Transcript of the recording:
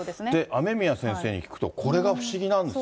雨宮先生に聞くと、これが不思議なんですよ。